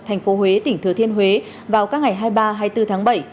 tp huế tỉnh thừa thiên huế vào các ngày hai mươi ba hai mươi bốn tháng bảy